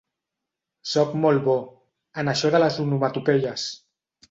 Sóc molt bo, en això de les onomatopeies.